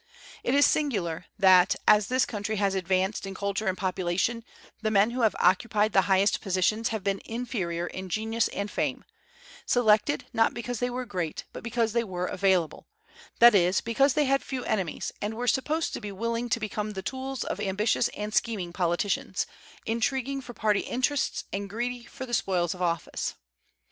It is singular that, as this country has advanced in culture and population, the men who have occupied the highest positions have been inferior in genius and fame, selected, not because they were great, but because they were "available," that is, because they had few enemies, and were supposed to be willing to become the tools of ambitious and scheming politicians, intriguing for party interests and greedy for the spoils of office.